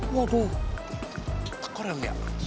waduh tekor ya om ya